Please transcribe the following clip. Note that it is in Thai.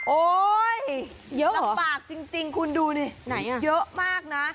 โอ้ยลำบากจริงคุณดูนี่เยอะมากนะ